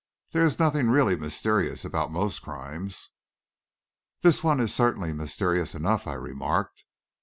There is nothing really mysterious about most crimes." "This one is certainly mysterious enough," I remarked.